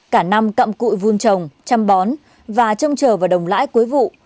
cả năm cặm cụi vun trồng chăm bón và trông chờ vào đồng lãi cuối vụ